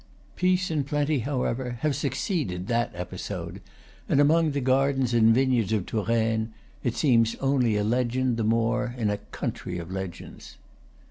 Peace and plenty, however, have succeeded that episode; and among the gardens and vineyards of Touraine it seems, only a legend the more in a country of legends.